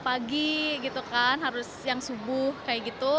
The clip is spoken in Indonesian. pagi gitu kan harus yang subuh kayak gitu